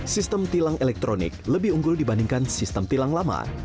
sistem tilang elektronik lebih unggul dibandingkan sistem tilang lama